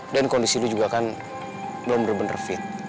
dan kondisi lo juga kan belum bener bener fit